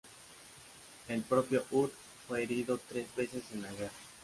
El propio Ut fue herido tres veces en la guerra.